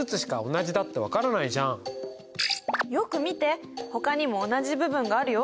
うんほかにも同じ部分があるよ。